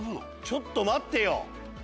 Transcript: ちょっと待ってよ。